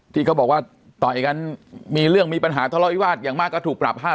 ที่เขาบอกว่าต่อยกันมีเรื่องมีปัญหาทะเลาวิวาสอย่างมากก็ถูกปรับ๕๐๐